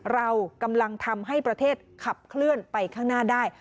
เรากำลังทำให้ประเทศขับเคลื่อนไปข้างหน้าได้